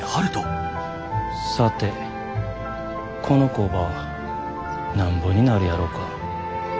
さてこの工場なんぼになるやろか。